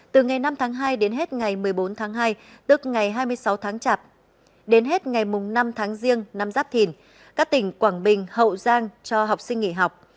từ ngày năm tháng hai đến hết ngày một mươi bốn tháng hai tức ngày hai mươi sáu tháng chạp đến hết ngày năm tháng riêng năm giáp thìn các tỉnh quảng bình hậu giang cho học sinh nghỉ học